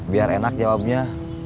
biar enak jawabnya